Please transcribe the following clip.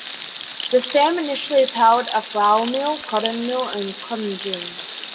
This dam initially powered a flour mill, cotton mill, and cotton gin.